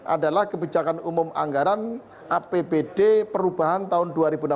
adalah kebijakan umum anggaran apbd perubahan tahun dua ribu enam belas